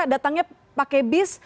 datangnya pakai bis